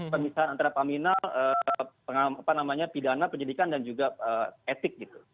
pemisahan antara paminal pidana penyidikan dan juga etik gitu